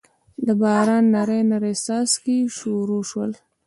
دباران نري نري څاڅکي شورو شول